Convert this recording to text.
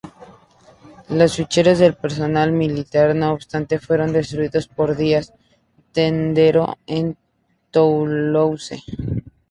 Los ficheros de personal militar, no obstante, fueron destruidos por Díaz-Tendero en Toulouse.